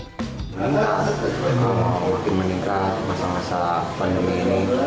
kami ingin mengawasi meningkat masa masa pandemi ini